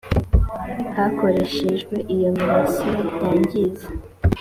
hakoreshejwe iyo mirasire yangiza